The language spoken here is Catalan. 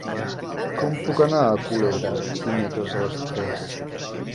Com puc anar a Colera dimecres a les tres?